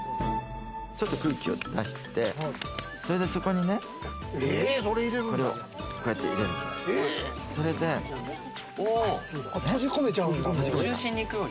ちょっと空気を出して、それでそこにね、これをこうやって入れるんですよ。